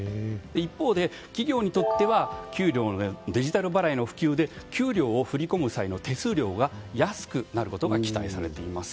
一方で企業にとっては給料のデジタル払いの普及で給料を振り込む際の手数料が安くなることが期待されています。